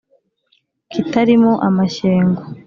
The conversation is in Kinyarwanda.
Kitali mo amashyengo